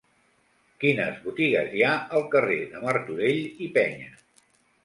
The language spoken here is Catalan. Quines botigues hi ha al carrer de Martorell i Peña?